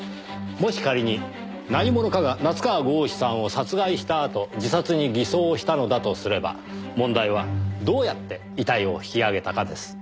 もし仮に何者かが夏河郷士さんを殺害したあと自殺に偽装したのだとすれば問題はどうやって遺体を引き上げたかです。